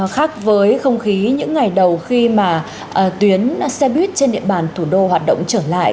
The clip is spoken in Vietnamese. khác với không khí những ngày đầu khi mà tuyến xe buýt trên địa bàn thủ đô hoạt động trở lại